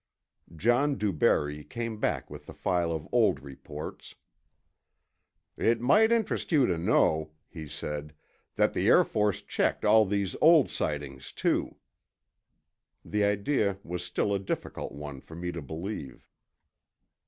John DuBarry came back with the file of old reports. "It might interest you to know," he said, "that the Air Force checked all these old sightings too." The idea was still a difficult one for me to believe.